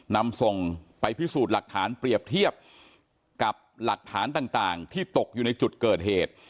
นำส่งไปพิสูจน์หลักฐานเปรียบเทียบกับหลักฐานต่างที่ตกอยู่ในจุดเกิดเหตุ